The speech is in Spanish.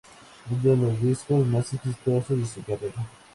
Uno de los discos más exitosos de su carrera.